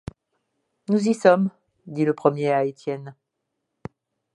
Nous y sommes, dit le premier à Étienne.